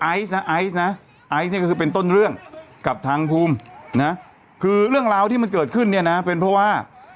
ไอซ์นะไอซ์เนี่ยก็คือเป็นต้นเรื่องกับทางภูมินะคือเรื่องราวที่มันเกิดขึ้นเนี่ยนะเป็นเพราะว่า